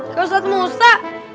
kau saat musa